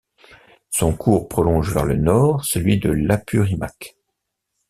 Son cours prolonge vers le nord celui de l'Apurimac.